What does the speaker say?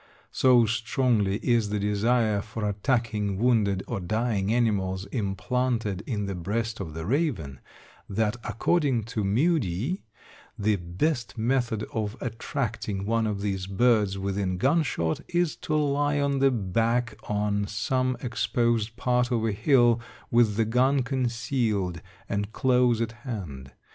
So strongly is the desire for attacking wounded or dying animals implanted in the breast of the raven, that, according to Mudie, the best method of attracting one of these birds within gunshot is to lie on the back on some exposed part of a hill with the gun concealed and close at hand.